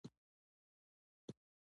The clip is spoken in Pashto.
دوی نوري فایبر غځوي.